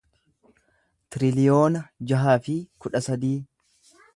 tiriliyoona jaha fi kudha sadii